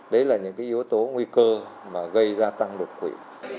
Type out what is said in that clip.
đấy là những yếu tố nguy cơ mà gây ra tăng đột quỵ